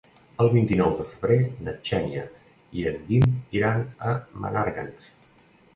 El vint-i-nou de febrer na Xènia i en Guim iran a Menàrguens.